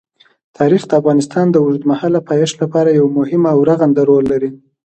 تاریخ د افغانستان د اوږدمهاله پایښت لپاره یو مهم او رغنده رول لري.